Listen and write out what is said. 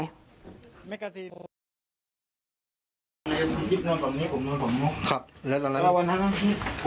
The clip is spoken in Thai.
ปืนมันลั่นไปใส่แฟนสาวเขาก็ยังยืนยันกับเราเหมือนเดิมแบบนี้นะคะ